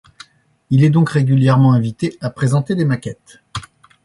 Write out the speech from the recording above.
Il est donc régulièrement invité à présenter des maquettes.